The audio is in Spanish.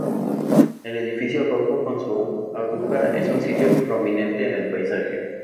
El edificio rojo con su aguja es un sitio prominente en el paisaje.